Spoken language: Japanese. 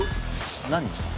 何？